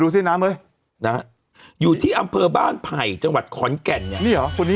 ดูซิน้ำเลยนะอยู่ที่อำเภอบ้านไผ่จังหวัดขอนแก่นเนี่ยนี่